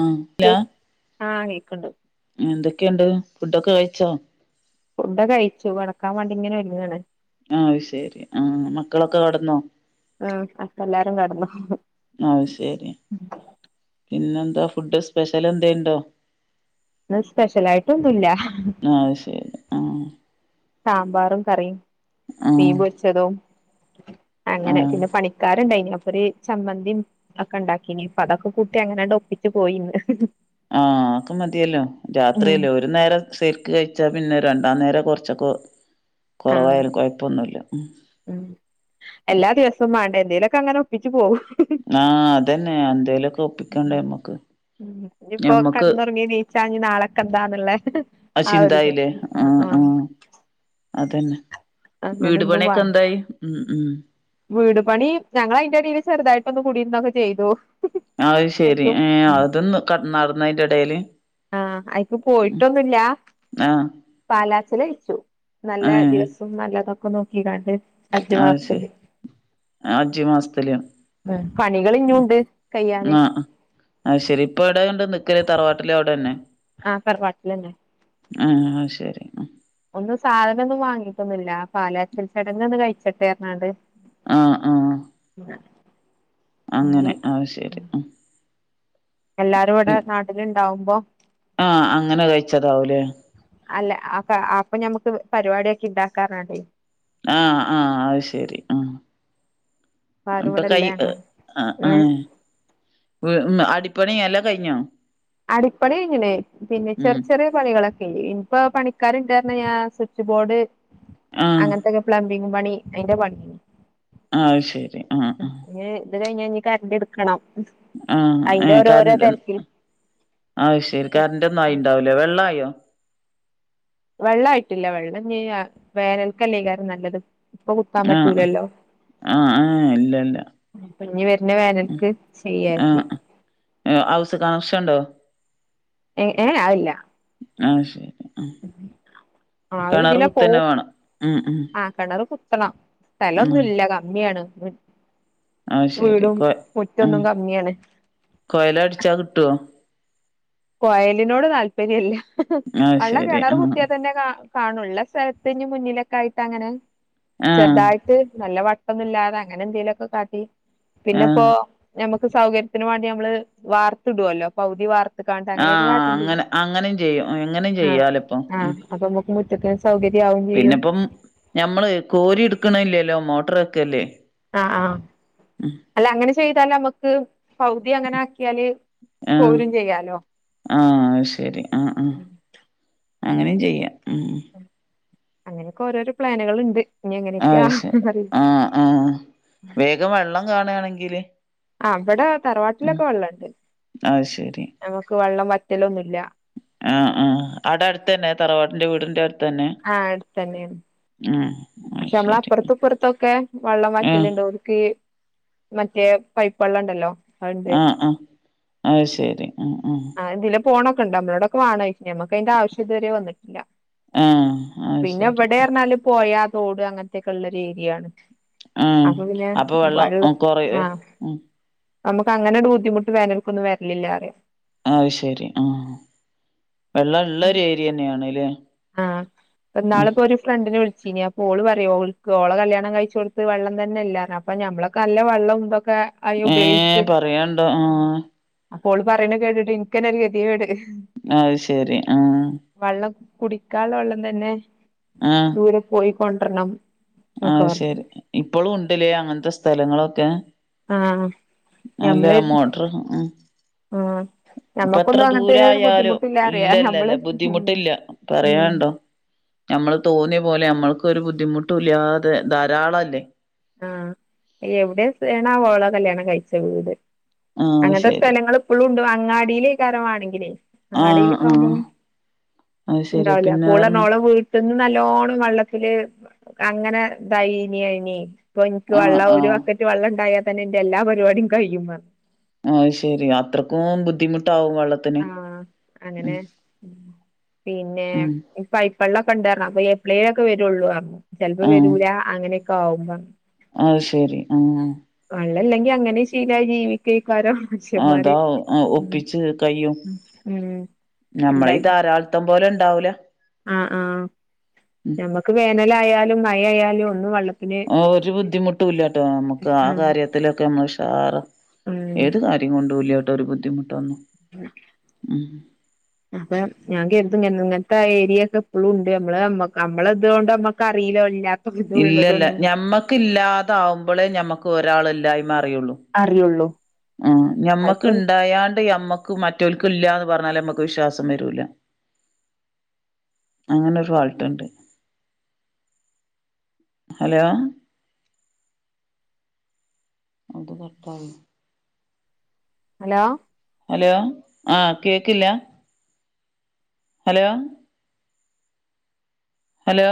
ആഹ് കേ ല്ല ആഹ് കേക്ക്ണ്ട് എന്തൊക്കെയുണ്ട് ഫുഡൊക്കെ കഴിച്ചോ ഫുഡ് കഴിച്ചു കെടക്കാൻ വാണ്ടി ഇങ്ങനെ ഒര്ങ്ങാണ് ആഹ് ശരി ആഹ് മക്കളൊക്കെ കടന്നോ ആഹ് അപ്പ എല്ലാരും കെടന്നു അത് ശരി ഇന്നന്താ ഫുഡ് സ്പെഷ്യലെന്തേ ണ്ടോ ന്ന് സ്പെഷ്യലായിട്ടൊന്നുല്ല ആത് ശരി ആഹ് സാമ്പാറും കറിം മീൻ ആഹ് പൊര്ച്ചതും അങ്ങനെ ആഹ് പിന്നെ പണി ക്കാരുണ്ടയ്നി അപ്പര് ചമ്മന്തിം ഒക്കെ ഉണ്ടാക്കീനി അപ്പതൊക്കെ കൂട്ടി അങ്ങനാണ്ട് ഒപ്പിച്ച് പോയിന്ന് ആഹ് അക്കെ മതിയല്ലോ ഉം രാത്രിയല്ലേ ഒരു നേരം ശെര്ക്ക് കഴിച്ചാ പിന്നെ രണ്ടാം നേരം കൊർച്ചൊക്കെ ആഹ് കൊറവായാലും കൊഴപ്പൊന്നുല്ല ഉം എല്ലാ ദിവസം മാണ്ടേ എന്തേലൊക്കെ അങ്ങനെ ഒപ്പിച്ച് പോകും. ആഹ് അതന്നെ എന്തേലൊക്കെ ഉം ഒപ്പിക്കണ്ട മ്മക്ക് ഞമ്മക്ക് ചാ നാളെക്കെന്താന്നല്ലേ ആഹ് ചിന്തായില്ലേ ആഹ് ആഹ് അതന്നെ വീട് അങ്ങനൊന്നും വാ പണിയൊക്കെ എന്തായി ഉം ഉം വീട് പണി ഞങ്ങൾ അയ്ന്റെടിൽ ചെറുതായിട്ട് ഒന്ന് കൂടിയിരുന്നൊക്കെ ചെയ്തു അത് ശെരി ആഹ് അയിക്കും അതൊന്ന് ക നടന്ന അയ്ന്റെടയില് ആഹ് അയ്ക്ക് പോയിട്ടൊന്നുല്ല ആഹ്. പാലാച്ചല് കഴ്ച്ചു നല്ല ഏഹ്. ദിവസ ഉം നല്ലതൊക്കെ നോക്കിക്കാണ്ട് അഞ്ചു അത് ശരി മാസത്തില് ഹഞ്ച് മാസത്തില് പണികൾ ഇഞ്ഞുണ്ട് കയ്യാന് ആഹ് ശരി ഇപ്പ എവിടെ ണ്ട് നിക്കല് തറവാട്ടിലെ അവിടെന്നെ ആഹ് തറവാട്ട് ലെന്നെ ആഹ് അഹ് ശരി ഒന്നും സാധനം ഒന്നും വാങ്ങിയിട്ടൊന്നുല്ല പാലാച്ചൽ ചടങ്ങ ന്ന് കഴിച്ചട്ടേ ന്നർഞ്ഞാണ്ട്. ആഹ് ആഹ് [unintelligible] അങ്ങനെ അഹ് ശരി ഉം എല്ലാരും ഇവടെ ഉം. നാട്ട്ല് ണ്ടാവുമ്പോ ആഹ് അങ്ങനെ കഴിച്ചതാവുലേ? അല്ല അപ്പ അപ്പ ഞമ്മക്ക് പരിപാടിക്കി ണ്ടാക്കാർഞ്ഞാണ്ടേ ആഹ് ആഹ് അഹ് ശരി ആഹ് ആരും ഇപ്പ കൈ ഇവിടെല്ല ഹ് ഞങ്ങ ഏഹ് ആഹ് [unintelligible] അടിപ്പണി എല്ലാം കഴിഞ്ഞോ? അടിപ്പണി യ്ഞ്ഞ്ണ് പിന്നെ ചെർ ഉം. ചെറ്യേ പണികളൊക്കെ ഴിഞ്ഞ് ഇപ്പോ പണിക്കാര് ണ്ട് ർഞ്ഞ് ഞാ സ്വിച്ച് ബോർഡ് ആഹ്. അങ്ങൻത്തക്കെ പ്ലംബിംഗും പണി അയ്ന്റെ പണിഴ്ഞ്ഞി അത് ശരി. ആഹ് ആഹ്. [unintelligible] ഇത് കഴിഞ്ഞ ഞ്ഞ് കര്ണ്ട് ട്ക്കണം. അയ്ൻ്റെരോരോ തെരക്ക്ൽ അഹ് ശരി കര്ൻ്റൊന്നും ആയിണ്ടാവൂല്ല. വെള്ളായോ? വെള്ളായിട്ടില്ല വെള്ളം ഞ്ഞി വേ വേനൽക്കല്ലേകാരം നല്ലത്. ഇപ്പ കുത്താൻ ആഹ് പറ്റൂലല്ലോ. ആഹ് ആഹ് ഇല്ല ഇല്ല ഇപ്പഞ്ഞി വര്ന വേനൽക്ക് ചെയ്യാര്തി. ആഹ് ഹൗസ് കണക്ഷൻ ണ്ടോ? എഹ് ഏഹ് അഹ് ല്ല അഹ് ശരി ഉം ആ കെണറ് കുത്തന്നെ വേണം ഉം ഉം കെണർ കുത്തണം ഉം സ്ഥലൊന്നുല്ല കമ്മിയാണ്. അഹ് ശരി വീടും കൊ ഉം മുറ്റൊന്നും കമ്മിയാണ് കൊയല ട്ച്ചാ ക്ട്ടോ? കോയലിനോട് താല്പര്യല്ല ആഹ് വള്ള ശരി കെണർ ആഹ് കുത്തിയാ തന്നെ കാ കാണുള്ള സ്ഥലത്ത് ഞ്ഞ് മുന്നിലൊക്കെ ആയിട്ട് അങ്ങനെ ആഹ് ചെർതായിട്ട് നല്ല വ ല്ലാതെ അങ്ങനെ എന്തെലൊക്കെ കാട്ടി പിന്നെ ഇപ്പോ ആഹ് ഞമ്മക്ക് സൗകര്യത്തിന് വാണ്ടി നമ്മള് വാർത്ത്ടുല്ലോ പൗതി വാർ ക്കാണ്ട് അങ്ങനക്കെ ആഹ് കാട്ടണ്ട്യരും അങ്ങനെ അങ്ങനെയും ചെയ്യും ഉം, എങ്ങനെയും ആഹ് ചെയ്യാലോ ഇപ്പം ഉം ആഹ് അപ്പൊ മോക്ക് മുറ്റത്ത് സൗകര്യാവും ചെയ്യും പിന്നെപ്പം ഞമ്മള് കോരി ട്ക്ക്ണില്ലല്ലോ മോട്ടറ വെക്കെല്ലേ. ആഹ് ആഹ് അല്ല അങ്ങനെ ചെയ്താല് നമ്മക്ക് പൗതിം അങ്ങനെ ആക്കിയാല് ആഹ് കോരും ചെയ്യാലോ ആഹ് ശരി ആഹ് ആഹ് അങ്ങനെ ചെയ്യാം ഉം അങ്ങനെയക്കെ ഓരോരോ പ്ലാന്കൾ ണ്ട്. അഹ് ശ ആഹ് ആഹ് വേഗം വെള്ളം കാണണെങ്കില് ആഹ് അവടെ തറവാട്ട്ലക്കെ വള്ളണ്ട്. അഹ് ശരി ഞങ്ങക്ക് വള്ളം വറ്റലൊന്നുംല്ല. ആഹ് ആഹ് അടെ അട്ത്തന്നെ തറവാട്ന്റെ വീട്ന്റെ അട്ത്തന്നെ? ആഹ് അട്ത്തന്നെണ്. [unintelligible] പക്ഷെ നമ്മള അപ്പർത്തും പ്പർത്തൊക്കെ വള്ളം ആഹ് വറ്റലുണ്ടോൽക്ക്. മറ്റേ പൈപ്പള്ളം ണ്ടല്ലോ അഹ്ണ്ട് ആഹ് ആഹ് അത് ശരി ആഹ് ആഹ് ഇതിലെ പോണക്കെ ണ്ട് നമ്മളോടൊക്ക വാണോ ഴ്ച്ച്നി നമ്മക്ക് അയിന്റെ ആശ്യം വരെ വന്ന്ട്ട്ല്ല. ആഹ് അത് പിന്നെ ശരി വടെ ർഞ്ഞാല് പൊഴ, തോട് അങ്ങൻത്തെക്കെ ള്ള ഒരു ഏരിയാണ്. ആഹ് അപ്പോ പിന്നെ അപ്പൊ വെള്ളം വള്ള ഉം കൊറയോ ആഹ് ഉം നമ്മക്ക് അങ്ങനാണ്ട് ബുദ്ധിമുട്ട് വേനൽക്കൊന്നും വര്ൽല്ലാറ്യ. ആഹ് ശരി ആവെള്ളം ഇള്ള ഒരു ഏരിയ തന്നെയാണ് അല്ലെ ന്നാള് പ്പോ ഒരു ഫ്രണ്ടിനെ വിളിച്ചിനി അപ്പോ ഓള് പറ്യ ഓൾക്ക് ഓളെ കല്യാണം കഴിച്ചോട്ത്ത് വള്ളം തന്നെല്ലർഞ്ഞ് അ അപ്പൊ മ്മളക്കെ നല്ല വെള്ളം ഇന്തൊക്കെ ഏ പറയണ്ടോ ആ അപ്പോൾള് പറയുന്ന കേട്ടിട്ട് ഇനിക്കനെ ഒരു ഗതിയ കേട് അത് ശെരി ആ വെള്ളം കുടിക്കാല വെള്ളം തന്നെ ആഹ ദൂരെ പോയിക്കൊണ്ടരണം ആഹ ശെരി ഇപ്പോളും ഉണ്ടല്ലേ അങ്ങനത്തെ സ്ഥലങ്ങളൊക്കെ ആഹ് അല്ല മോട്ടർ ഉ ആഉം ഇപ്പ എത്ര ദൂരായാലോ അറിയാ ഞമ്മള് ഇല്ലല്ലല്ല ഉം ബുദ്ധിമുട്ടില്ല ഉം പറയണ്ടോ നമ്മള് തോന്നിയ പോലെ നമ്മൾക്ക് ഒരു ബുദ്ധിമുട്ടല്ലാതെ ധാരാളല്ലേ ആഹ എവിടെയണ വോള കല്യാണം കഴിച്ച വീട് ആഹ് അത് അങ്ങനത്തെ ശരി സ്ഥലങ്ങൾ ഇപ്പോഴും ഉണ്ട് അങ്ങാടിയിലേ കാരമാണെങ്കിലേ അങ്ങാടൽ ആഹ് ആഹ് പോ്കാകുമ്പെപോം അത് ശരി ഇണ്ടാവില്ല പിന്നെ പറഞ്ഞ് കൂടെണോള വീ പന്ന് നല്ലോണ്ണം വെള്ളത്തില് അങ്ങനെ ഇതായിനനി ഇപ്പൊ എനിക്ക് ആഹ് വെള്ള ഒരു ആഹ് ബക്കറ്റ് വെള്ളം ഉണ്ടായാൽ തന്നെ എന്റെ എല്ലാ പരിപാടിയ കഴിയും ആ ശരി അത്രക്കും ബുദ്ധിമുട്ടാവും വെള്ള ആഹ അങ്ങനെ പിന്നെ ഉം പൈപ്പെള്ളൊക്കെണ്ടരണം അപ്പ എപ്ളൈയിലൊക്കെ വരുള്ളൂ ചെപ്പോ വരൂല അങ്ങനെയൊക്കെ ആകുമ്പ അഹ ശരി ആഹ വള്ളല്ലെങ്കി അങ്ങനെ ശീല ജീവിക്കക്കാരോ അതാ ഒപ്പിച്ച് കയ്യും ഉം ഉം നമ്മള ധാരാളത്തം പോലെ ഉണ്ടാവൂല ആ ആഹ ഞമ്മക്ക് വേനലായാലും മഴ ആയാലും ഒന്നും വെള്ളത്തി ഒരു ബുദ്ധിമുട്ടല്ലട്ടോ നമ്മുക്ക് ആ ആഹ് കാര്യത്തിലൊക്കെ നമ്മഷാറ ഉം ഏത് കയ ണ്ട്ലോട്ട് ഒരു ബുദ്ധിമുട്ട് വന്നു ഉ അപ്പൊ ഞാ ഇ ഇങ്ങനത്തെ ആ ഏരിയൊക്കെ എപ്പോഴും ഉണ്ട് നമ്മള്മ്മ നമ്മളെത കൊണ്ട്മ്മ കറിയിലോ ഇല്ലാ ഇല്ലല്ല ഞമ്മക്ക് ഇല്ലാതാവുമ്പോളേ ഞമ്മക്ക് ഒരാളെല്ലായ്മേ അറിയുള്ളൂ അറിയുള്ളൂ ആ ഞമ്മക്ക് അയ്പ്പം ഇണ്ടായാണ്ട് മ്മക്ക് മറ്റൊക്കും ഇല്ലന്ന് പറഞ്ഞാല്മ്മക്ക് വിശ്വാസം വരൂല അങ്ങനൊരു ഫാൾട്ടുണ്ട് ഹലോ അത് കട്ടായി ഹലോ ഹലോ ആഹ കേക്കില്ല ഹലോ ഹലോ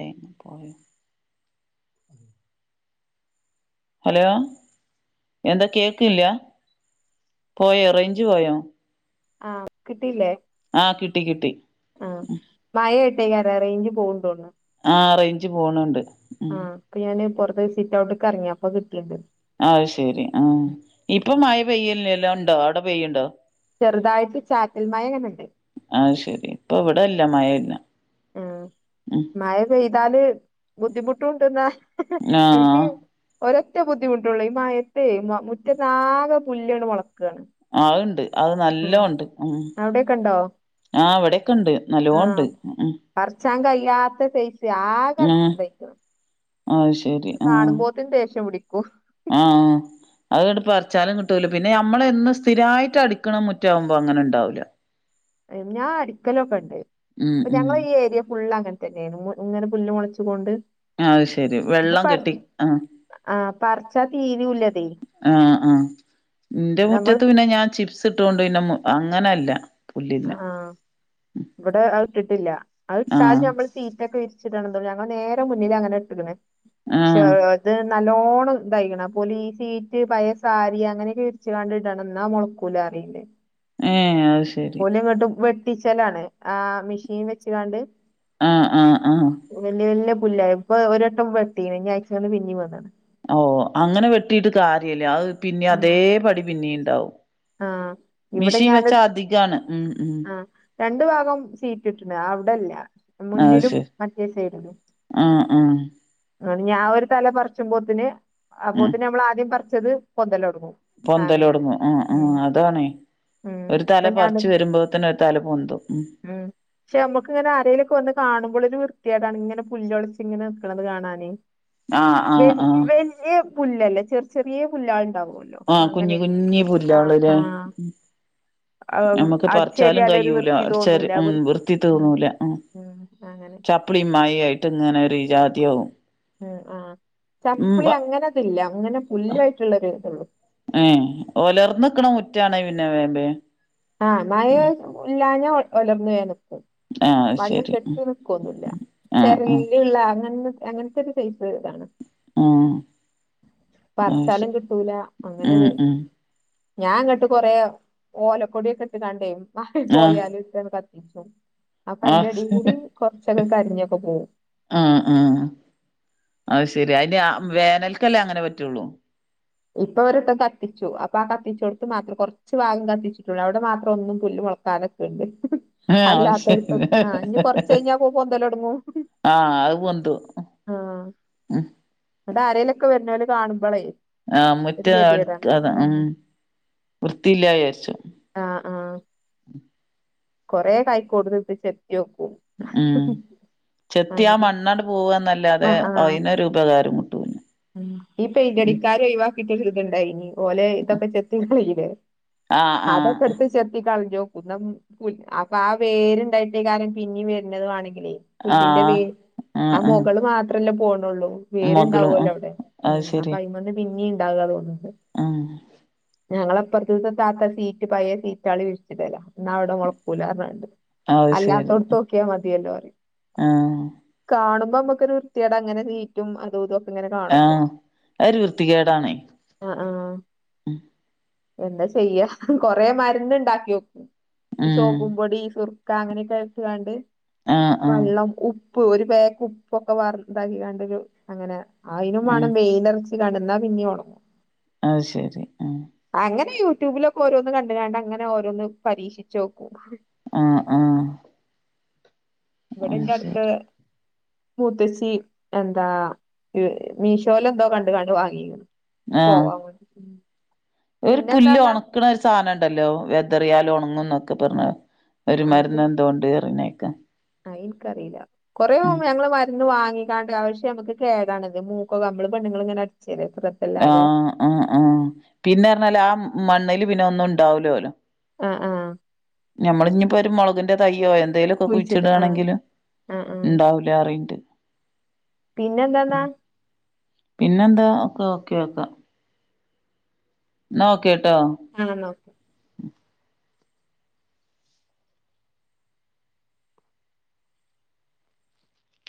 ഏ പോയ ഹലോ എന്താ കേക്കില്ല പോയ റേഞ്ച് പോയോ ആഹ് കിട്ടില്ലേ ആ കിട്ടി കിട്ടി ആ മഴ ഇട്ടേക്ക് അര റേഞ്ച് പോകണ്ടോന്നു ആ റേഞ്ച് പോണുണ്ട് ഉ ആഹ് അപ്പൊ ഞാനൻത്ത് സിറ്റ് ഔട്ട്ക്കെറങ്ങി അപ്പൊ കിട്ടുണ്ട് അത് ശെരി ആ ഇപ്പൊ മഴ പെയ്യല്ല എല്ലാം ഉണ്ടോ അവിടെ പെയ്യുണ്ടോ ചെറുതായിട്ട് ചാറ്റൽ മഴ അങ്ങനുണ്ട് ആഹ ശെരി ഇപ്പ ഇവിടെല്ല മഴയില്ല ആ ഉം മഴ പെയ്താല് ബുദ്ധിമുട്ടുംണ്ടെന്നാ എനിക്ക് ആഹ് ഒരറ്റ ബുദ്ധിമുട്ടുള്ളൂ ഈ മഴത്തേ മുറ്റനാകെ പുല്ല്ണ്ട് മോളകാണ് ആഹ് അത് ഇണ്ട് അത് നല്ലോണംഇണ്ട് ഉം അവിടെക്കെ ഉണ്ടോ ആ ഇവിടോക്കെ ഉണ്ട് നല്ലോണം ഉണ്ട് പറിചാൻ കയ്യാത്ത സെയ്‌സ് ആകെ ആഹ് ഇതായിക്കിണ് ആഹ് ശരി ആഹ ദേഷ്യം പിടിക്കും ആഹ അത് അപ്പ പറിച്ചാലും കിട്ടൂല പിന്നെ നമ്മളെന്ന് സ്ഥിരമായിട്ട് അടിക്കണ മുറ്റാകുമ്പോ അങ്ങനെ ഉണ്ടാവില്ല ഞാൻ അടിക്കലൊക്കെ ഉണ്ട് ഉം ഇപ്പൊ ഉം ഞങ്ങള് ഈ ഏരിയ ഫുള്ളാങ്ങനെ ഇങ്ങനെ പുല്ല് മുളച്ചുകൊണ്ട് അത് ശെരി വെള്ളം കെട്ടി ആ ആഹ പറിച്ചാ തീരുല അത് എന്റെ മുറ്റത്ത് പിന്നെ ഞാൻ ചിപ്സ് ഇട്ടൊണ്ട് പിന്നെ അങ്ങനല്ല പുല്ലില്ല ആഹ ഇവിടെ അത് ഇട്ടിട്ടില്ല അത് ഇട്ടാൽ ആഹ് നമ്മൾ സീറ്റൊക്കെ ഞ നേരെ മുന്നിൽ അങ്ങനെ ഇട്ട്ക്ക്ണ് പക്ഷെ ആഹ് നല്ലോണ്ണം തയ്കണ് അപ്പോ ഈ സീറ്റ് പയേ സാരി അങ്ങനെയൊക്കെ വിരിച്ച കാണ്ട ഇടണം എന്നാ മുളക്കൂല പറയീണ്ട് ഏ പോലും ഇങ്ങോട്ടും വെട്ടിച്ചലാണ് ആ മെഷീൻ വെച്ച് കാണ്ട് ആഹ ആഹ് ആഹ വല്യ വല്യ പുല്ല ഇപ്പൊ ഒരു വെട്ടം വെട്ടീ ഇനി ആഴ്ച്ചകന്നു പിന്നേം വെട്ടണം ഓ അങ്ങനെ വെട്ടിട്ട് കാര്യല്ലേ അ പിന്നെ അതേ ആഹ് പടി പിന്നിം ഉണ്ടാവും ആഹ് ഇവിടെ മിഷീൻ വെച്ചാ അധികാണ് ഉ ഉ രണ്ടു ഭാഗം സീറ്റ് ഇട്ടുണ്ട് അവിടല്ല അത് മുന്നിലും ശരി മറ്റേ സൈഡിലും ആഹ് ആഹ് അ ഞാൻ ഒരു തല പറിച്ചുമ്പോത്തിന് ഉം അപ്പോത്തിന് നമ്മൾ ആദ്യം പറിച്ചത് പൊന്തലോടുങ്ങും പൊന്തലോടങ്ങും ആ ഉ അതാണേ ഉം ഒരു തല ഇപ്പൊ ഞാന് പറച്ച് വരുമ്പോ തന്നെ ഒരു തല പൊന്ന്തും ഉ ഉം പക്ഷെ നമ്മുക്കിങ്ങനെ ആരേലൊക്കെ വന്ന് കാണുമ്പോഴൊ ഒരു വൃത്തികേടാണ് ഇങ്ങനെ പുല്മോളിച്ചി ഇങ്ങനെ നിൽക്കണുന്നത് കാണാന് ആഹ് ആഹ് ആഹ് വലിയ പുല്ലല്ലേ ചെറി ചെറിയ പുല്ലാള് ഉണ്ടാവോ ആഹ കുഞ്ഞി കുഞ്ഞി പുല്ല്കാൾ ല്ലേ ആം, നമ്മുക്ക് പറിച്ചാലും അടിച്ചേരിയാലൊരു കഴൂല വൃത്തി അടിച്ച തോന്നൂല ഉ വൃ വൃത്തി ഉം തോന്നൂല ഉം അങ്ങനെ ചപ്പളി മായി ആയിട്ട് ഇങ്ങനെ ഒരു ജാതിയാവും ഉ ആ ചപ്പ്ളി ഉം അങ്ങനെ ഇല്ല അങ്ങനെ പുല്ലായിട്ടുള്ളരു ഇതള്ളു ഉ ഓലർന്നിക്കണ മുറ്റാണേ പിന്നെ വേമ്പേ ആഹ് മഴ ഇല്ലാഞ്ഞ ഒലർന്നു വേഗം നിക്കും ആ അത് വള്ളം ശരി കെട്ടി നിൽക്കൊന്നുമല്ല ആ ആ ചെറല്ലള്ള അങ്ങനെ അങ്ങനെ [unintelligible] ഇതാണ് ആ അത് പർച്ചാലും ശരി കിട്ടൂല ഉം അങ്ങനെരു ഉം ഞാൻ അങ്ങട്ട് കൊറെ ഓലക്കൊടിയൊക്കെ ഇട്ട് കണ്ടേ മാറി ആ പോയാലും ഇ കത്തികും അപ്പൊ ആ അതിന്റെ അടിൽ കൂടി കുറച്ചൊക്കെ കരിഞ്ഞൊക്കെ പോവും ആ ആ അത് ശെരി അതിന് വേനൽക്കല്ലേ അങ്ങനെ പറ്റുള്ളൂ ഇപ്പൊ ഒരോട്ടം കത്തിച്ചു അപ്പൊ ആ കത്തിച്ച കൊടുത്ത് മാത്രം കുറച്ച് ഭാഗം കത്തിച്ചിട്ടുള്ളൂ അവിടെ മാത്രം ഒന്നും പുല്ല് മുളക്കാതെ ഇതുണ്ട് ഏ അത് ശരി അല്ലാത്തടത്ത ആ ഇനി കൊറച്ച് കഴിഞ്ഞാ പോന്തല് തുടങ്ങും ആ അത് പൊന്തും ആഹ ഉം അത് ആരലൊക്കെ വരുന്നല് കാണുമ്പോളേ ആ് മുറ്റ അത് ഉ വൃത്തിയില്ലായ വിചാരിച്ചു ആഹ ആഹ കൊറെേ കായ്ക്കോടുന്നട്ട് ചെത്തിയോക്കും ആ ചെത്തിയാ മണ്ണാണ്ട് പോവ എന്നല്ലാതെ അതിനൊരു ഉപകാരം കിട്ടൂല ഉ ഈ പെയിന്റ് ഉം അടിക്കാർ ഒഴിവാക്കിയ [unintelligible] ഓലെ ഇതൊക്കെ ചെത്തി ആ ആ പോയിലെഅതൊക്കെടുത്ത് ചത്തി കളഞ്ഞ [unintelligible] അപ്പൊ ആ വേരുണ്ടായിട്ടേ കാര്യം പിന്നീ വരുന്നതു വേണെങ്കിലേ ആ പുല്ലിന്റെ വേ ആ മുകള് മാത്രല്ലേ പോണള്ളൂ മകളും വേരുണ്ടാവുമല്ലോ ആഹ് അവിടെ ഉ അത് അപ്പ ശരി അയിമന്ന് പിന്നെ ഉണ്ടാകുതോ ഉം ഞങ്ങള അപ്പറത്തെ താത്ത സീറ്റ് പയ സീറ്റാ ടെ വിരിച്ചിടല എന്ന [unintelligible] അത് ശരി അല്ലാത്തോടുത്ത് നോക്കിയാൽ മതിയല്ലോന്ന് പറ ആഹ് കാണുമ്പോ നമുക്കൊരു വൃത്തിയടെ അങ്ങനെ നീറ്റും അതോ ആഹ അ ഒരു വൃത്തികേടാണേ ആ ആഹ എന്താ ചെയ്യ കൊറെ മരുന്ന് ഉണ്ടാക്കിനോക്കു ഈ ഉം സോപ്പും പൊടി സുർക്ക അങ്ങനെയൊക്കെ വെച്ച്ക്കാണ്ട് ആഹ് ആഹ് വെള്ളം ഉപ്പ ഉപ്പ് ഒരു പേക്ക് ഉപ്പൊക്കെ വ ഇതാക്കി കണ്ട അങ്ങനെ ഉം അയിനുംമാണം വെയിലർ [unintelligible] പിന്നിം ഒണങ്ങും അ ശരി ആ അങ്ങനെ യൂട്യൂബിലൊക്കെ ഓരോന്ന് കണ്ടി കണ്ട് അങ്ങനെ ഓരോന്ന് പരീക്ഷിച്ചു നോക്കും ആ ആ ഇവിടെന്റെ ടുത്ത് ശരി മുത്തച്ചി എന്താ മീഷോൽ എന്തോ കണ്ടങ്ങാണ്ട് വാങ്ങിന്നു [inaudible] ആഹ് ഒരു പുല്ല് ഉണക്കണ ഒരു സാധനം ണ്ടല്ലോ വെതറിയാൽ ഉണങ്ങും ന്നൊക്കെ പറഞ്ഞ ഒരു മരുന്ന് എന്തോണ്ട് പറിണേക്ക അ ഇൻകറീല കൊറേ ഞങ്ങള് അന്ന് വാങ്ങിക്കാണ്ടു പക്ഷെ നമുക്ക് കേടാണത് മൂക്കോ നമ്മള് പെണ്ണങ്ങൾങ്ങനെ അടച്ചല്ലെ ആഹ് ആഹ് ആ പിന്നെറഞ്ഞാല് ആ മണ്ണില് പിന്നൊന്നും ണ്ടാവൂലോലു ആഹ് ആഹ് ഞമ്മളിനിയിപ്പോ ഒരു മുളകിന്റെ തയ്യോ എന്തേലൊക്കെ കുഴിച്ചിട്ട് ആഹ് കുയിച്ചിടാണെങ്കില് ആഹ് ആഹ് ഇണ്ടാവൂല ലാറി ണ്ട് പിന്നെ എന്താന്നാ പിന്നെന്താ ഒക്കെ ഓക്കെ ഒക്കാ ന്നാ ഓക്കേട്ടോ ആഹ് ന്നക്കേ